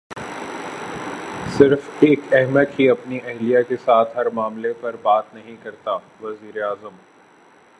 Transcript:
صرف ایک احمق ہی اپنی اہلیہ کے ساتھ ہر معاملے پر بات نہیں کرتا وزیراعظم